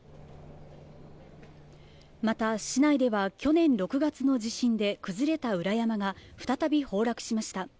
また市内では去年６月の地震で崩れた裏山が再び崩落しました。